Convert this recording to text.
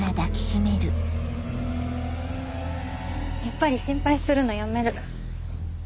やっぱり心配するのやめる。